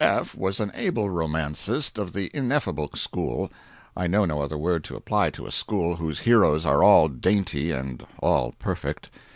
F. was an able romancist of the ineffable school—I know no other name to apply to a school whose heroes are all dainty and all perfect.